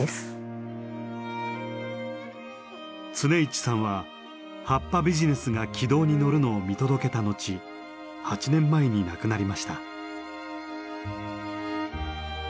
常一さんは葉っぱビジネスが軌道に乗るのを見届けた後８年前に亡くなりました。